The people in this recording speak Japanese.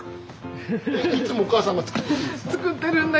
いつもお母さんが作ってるんですか？